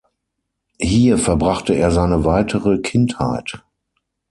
Hier verbrachte er seine weitere Kindheit.